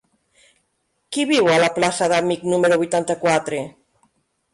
Qui viu a la plaça d'Amich número vuitanta-quatre?